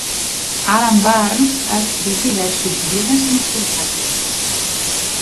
Alan Burns ha escrit diversos llibres d'informàtica.